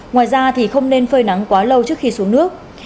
ngoài ra thì không nên phơi nắng quá lâu trước khi xuống nước